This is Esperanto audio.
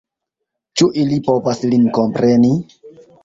Ĉu ili povas lin kompreni?